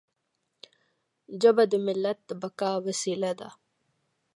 ژبه د ملت د بقا وسیله ده.